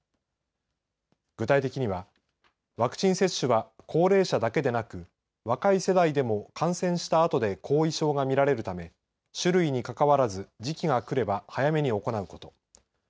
具体的にはワクチン接種は高齢者だけでなく若い世代でも感染したあとで後遺症が見られるため種類にかかわらず時期が来れば早めに行うこと。